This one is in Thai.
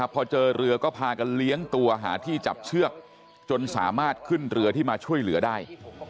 พอเจอเรือก็พากันเลี้ยงตัวหาที่จับเชือกจนสามารถขึ้นเรือที่มาช่วยเหลือได้